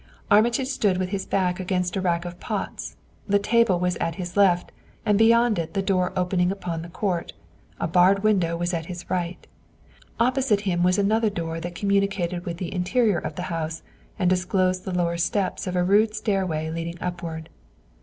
Armitage stood with his back against a rack of pots; the table was at his left and beyond it the door opening upon the court; a barred window was at his right; opposite him was another door that communicated with the interior of the house and disclosed the lower steps of a rude stairway leading upward.